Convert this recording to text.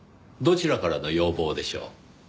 どちらからの要望でしょう？